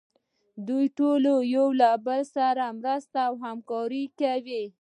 دوی ټول یو له بل سره مرسته او همکاري کوي.